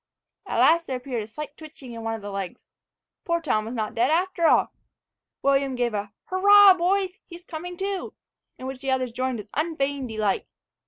At last there appeared a slight twitching in one of the legs. Poor Tom was not dead after all. William gave a "Hurra boys! he's coming to," in which the others joined with unfeigned delight.